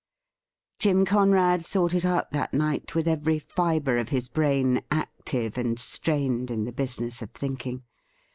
Jim Conead thought it out that night with every fibre of his brain active and strained in the business of thinking.